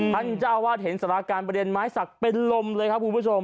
ท่านเจ้าอาวาสเห็นสารการประเด็นไม้สักเป็นลมเลยครับคุณผู้ชม